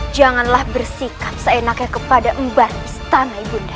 janganlah bersikap seenaknya kepada empat istana ibunda